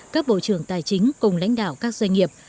các bộ trưởng tài chính cùng lãnh đạo các doanh nghiệp